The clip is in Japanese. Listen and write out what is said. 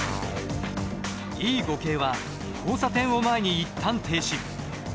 Ｅ５系は交差点を前に一旦停止。